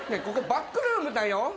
ここバックルームだよ？